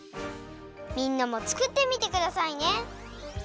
みんなもつくってみてくださいね。